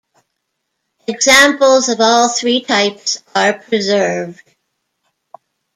Examples of all three types are preserved.